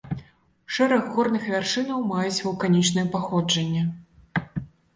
Шэраг горных вяршыняў маюць вулканічнае паходжанне.